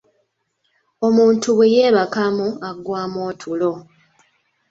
Omuntu bwe yeebakamu aggwamu otulo.